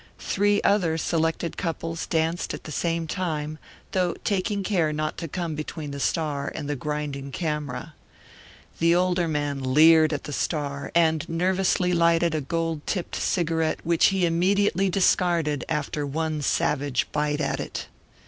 Three other selected couples danced at the same time, though taking care not to come between the star and the grinding camera. The older man leered at the star and nervously lighted a gold tipped cigarette which he immediately discarded after one savage bite at it.